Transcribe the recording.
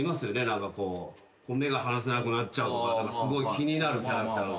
何かこう目が離せなくなっちゃうとかすごい気になるキャラクター。